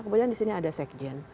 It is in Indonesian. kemudian di sini ada sekjen